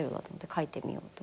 書いてみようと思って。